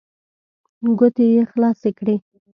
ګوتې يې خلاصې کړې.